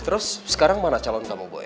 terus sekarang mana calon kamu boy